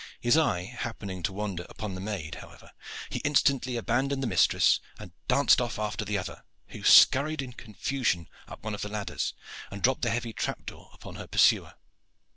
His eye happening to wander upon the maid, however, he instantly abandoned the mistress and danced off after the other, who scurried in confusion up one of the ladders, and dropped the heavy trap door upon her pursuer.